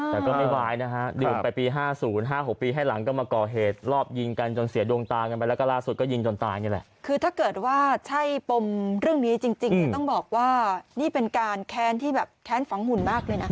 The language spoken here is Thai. จริงแต่ต้องบอกว่านี่เป็นการแค้นที่แบบแค้นฝังหุ่นมากเลยนะ